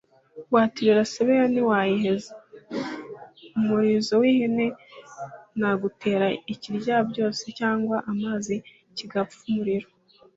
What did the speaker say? Waterera Sebeya ntiwayiheza-Umurizo w'ihene. Nagutera ikiryabyose cyanywa amazi kigapfa-Umuriro.